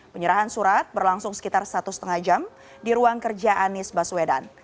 penyerahan surat berlangsung sekitar satu lima jam di ruang kerja anies baswedan